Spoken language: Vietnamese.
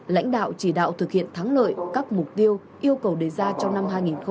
lãnh đạo chỉ đạo thực hiện thắng lợi các mục tiêu yêu cầu đề ra trong năm hai nghìn hai mươi